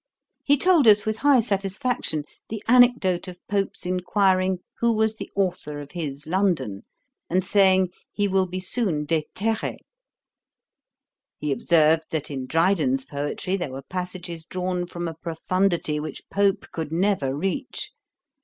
He told us, with high satisfaction, the anecdote of Pope's inquiring who was the authour of his London, and saying, he will be soon déterré. He observed, that in Dryden's poetry there were passages drawn from a profundity which Pope could never reach.